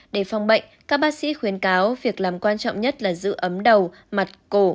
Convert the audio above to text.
để phòng bệnh các bác sĩ khuyến cáo việc làm quan trọng nhất là giữ ấm đầu mặt cổ